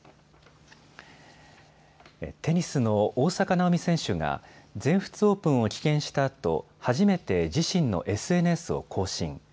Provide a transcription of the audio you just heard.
テニスの大坂なおみ選手が全仏オープンを棄権したあと初めて自身のＳＮＳを更新。